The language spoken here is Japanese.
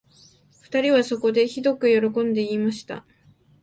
二人はそこで、ひどくよろこんで言いました